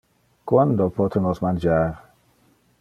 Quando pote nos mangiar?